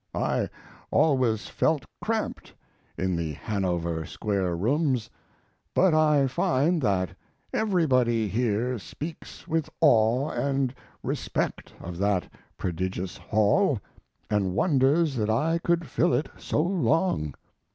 I always felt cramped in the Hanover Square Rooms, but I find that everybody here speaks with awe and respect of that prodigious hall and wonders that I could fill it so long.